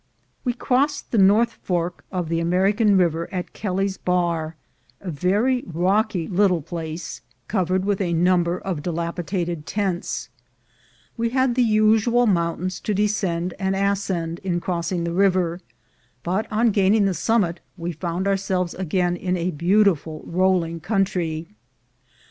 We crossed the north fork of the American River at Kelly's Bar, a very rocky little place, covered with 180 THE GOLD HUNTERS a number of dilapidated tents. We had the usual mountains to descend and ascend in crossing the river, but on gaining the summit we found ourselves again in a beautiful rolling country.